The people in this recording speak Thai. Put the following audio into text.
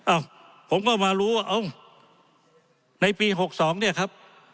อ้าวผมก็มารู้ว่าเอ้าในปี๖๒เนี่ยครับ